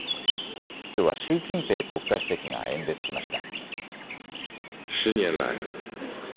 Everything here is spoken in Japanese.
きょうは習近平国家主席が演説しました。